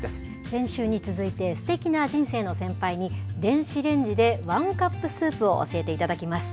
先週に続いて、すてきな人生の先輩に、電子レンジでワンカップスープを教えていただきます。